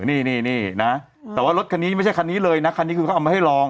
นี่นะแต่ว่ารถคันนี้ไม่ใช่คันนี้เลยนะคันนี้คือเขาเอามาให้ลอง